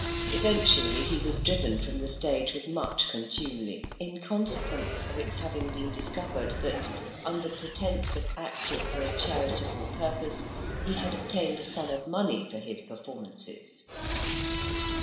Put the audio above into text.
Eventually he was driven from the stage with much contumely, in consequence of its having been discovered that, under pretence of acting for a charitable purpose, he had obtained a sum of money for his performances.